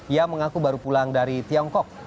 ia mengaku baru pulang dari tiongkok